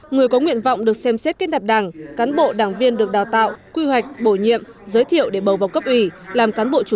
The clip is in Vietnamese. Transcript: người có nguyện vọng được xem xét kết nạp đảng cán bộ đảng viên được đào tạo quy hoạch bổ nhiệm